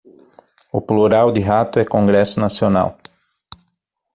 o plural de rato é congresso nacional